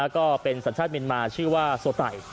ก็เป็นสัญชาติเมียนมาชื่อว่าโซไต